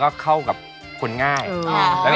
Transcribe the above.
มองโลกแล้วง่ายดีนะ